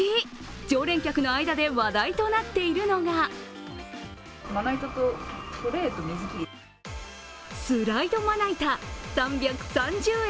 常連客の間で話題となっているのがスライドまな板、３３０円。